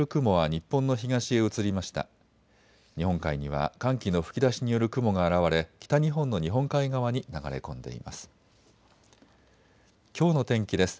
日本海には寒気の吹き出しによる雲が現れ、北日本の日本海側に流れ込んでいます。